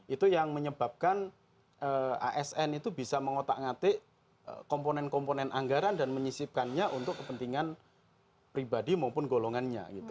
itu yang menyebabkan asn itu bisa mengotak ngatik komponen komponen anggaran dan menyisipkannya untuk kepentingan pribadi maupun golongannya